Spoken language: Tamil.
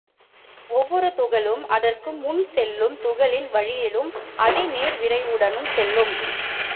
ஒவ்வொரு துகளும் அதற்கு முன் செல்லும் துகளின் வழியிலும் அதே நேர்விரைவுடனும் செல்லும்.